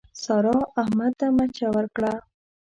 سارا، احمد ته مچه ورکړه.